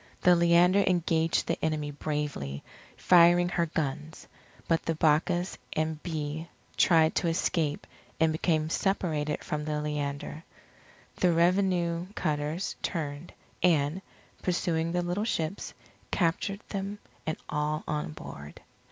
The Leander engaged the enemy bravely, firing her guns; but the Bacchus and Bee tried to escape and became separated from the Leander. The revenue cutters turned, and, pursuing the little ships, captured them and all on board.